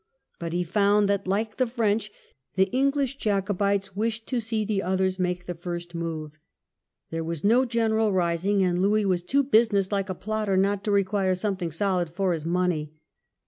But he found that, like the French, the English Jacobites wished to see the others make the first move. There was no general rising, and Louis was too business like a plotter not to require something solid for his money.